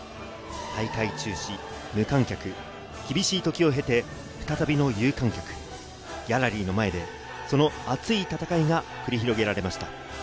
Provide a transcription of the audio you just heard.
大会中止、無観客、厳しい時を経て再びの有観客、ギャラリーの前でその熱い戦いが繰り広げられました。